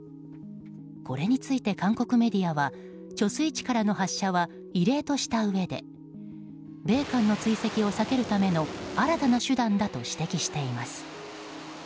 これについて韓国メディアは貯水池からの発射は異例としたうえで米韓の追跡を避けるための新たな手段だと指摘しています。